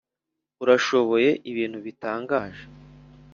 urashoboye ibintu bitangaje.